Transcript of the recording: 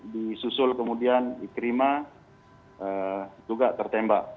disusul kemudian ikrima juga tertembak